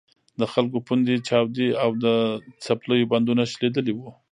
د خلکو پوندې چاودې او د څپلیو بندونه شلېدلي وو.